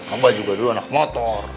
ombak juga dulu anak motor